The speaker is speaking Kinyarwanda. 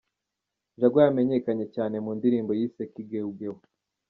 Jaguar wamenyekanye cyane mu ndirimbo yise Kigeugeu.